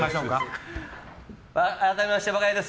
改めまして、我が家です。